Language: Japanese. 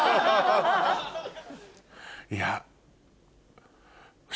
いや。